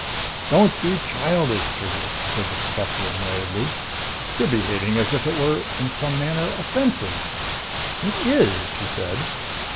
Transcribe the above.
"Don't be childish, Trigger," said the professor annoyedly. "You're behaving as if it were, in some manner, offensive." "It is," she said.